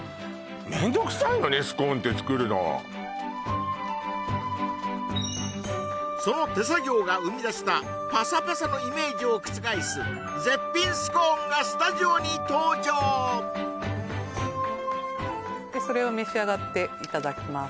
めんどくさいのねスコーンって作るのその手作業が生み出したパサパサのイメージを覆す絶品スコーンがスタジオに登場それを召し上がっていただきます